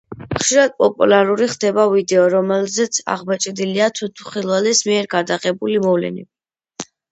ხშირად პოპულარული ხდება ვიდეო, რომელზეც აღბეჭდილია თვითმხილველის მიერ გადაღებული მოვლენები.